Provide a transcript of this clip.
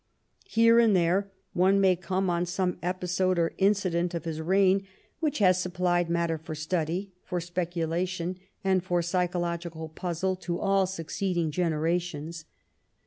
Here and there one may come on some episode or incident of his reign which 44 WHAT THE QUEEN CAME TO— ABROAD has supplied matter for study, for speculation, and for psychological puzzle to all succeeding generations.